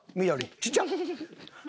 ちっちゃ！